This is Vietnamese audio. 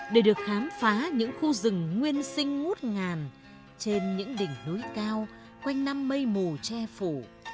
để được khám phá những khu rừng nguyên sinh ngút ngàn trên những đỉnh núi cao quanh năm mây mù che phủ